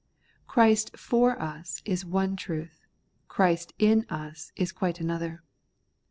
Christ for us is one truth ; Christ in us is quite another.